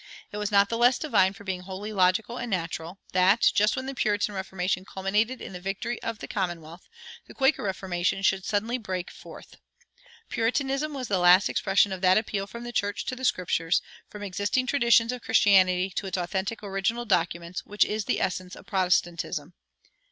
It was not the less divine for being wholly logical and natural, that, just when the Puritan Reformation culminated in the victory of the Commonwealth, the Quaker Reformation should suddenly break forth. Puritanism was the last expression of that appeal from the church to the Scriptures, from existing traditions of Christianity to its authentic original documents, which is the essence of Protestantism.